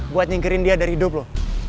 buat ngingkirin dia dari hidup lo